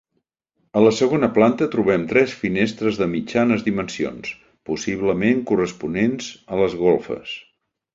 A la segona planta trobem tres finestres de mitjanes dimensions, possiblement corresponents a les golfes.